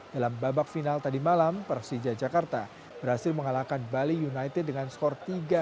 dalam babak final tadi malam persija jakarta berhasil mengalahkan bali united dengan skor tiga satu